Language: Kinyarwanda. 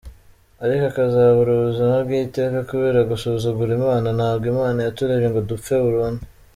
ariko akazabura ubuzima bw’iteka kubera gusuzugura imana !! Ntabwo imana yaturemye ngo dupfe burundu.